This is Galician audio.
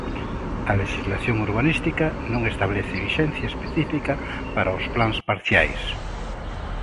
A lexislación urbanística non establece vixencia específica para os plans parciais.